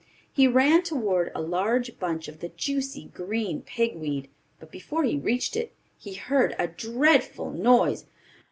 He ran toward a large bunch of the juicy, green pig weed, but before he reached it he heard a dreadful noise.